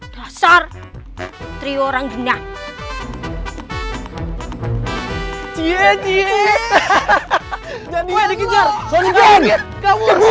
terasar trio orang jenak